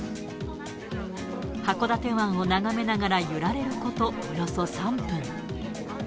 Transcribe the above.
函館湾を眺めながら揺られることおよそ３分。